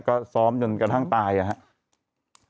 ก็ซ้อมจนกระทั่งตายนะครับ